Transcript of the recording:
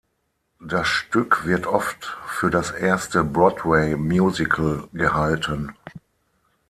Das Stück wird oft für das erste Broadway-Musical gehalten.